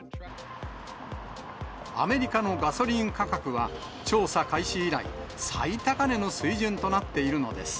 アメリカのガソリン価格は、調査開始以来、最高値の水準となっているのです。